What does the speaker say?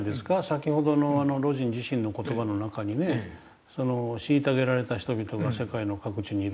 先ほどの魯迅自身の言葉の中にね虐げられた人々が世界の各地にいるという事をね